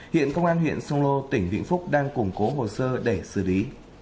hiện công an huyện sông lô tỉnh vĩnh phúc đang củng cố hồ sơ để xử lý